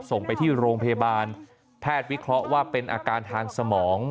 ส่งไปที่โรงพยาบาลแพทย์วิเคราะห์ว่าเป็นอาการทางสมอง